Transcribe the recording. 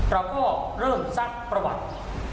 เราก็เริ่มซักประวัติ